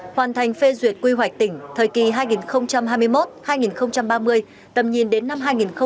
hoàn thành phê duyệt quy hoạch tỉnh thời kỳ hai nghìn hai mươi một hai nghìn ba mươi tầm nhìn đến năm hai nghìn năm mươi